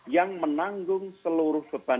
yang menanggung seluruh beban di bpn